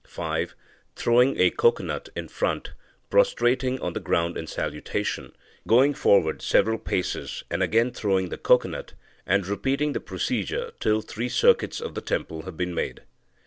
(5) Throwing a cocoanut in front, prostrating on the ground in salutation, going forward several paces and again throwing the cocoanut, and repeating the procedure till three circuits of the temple have been made.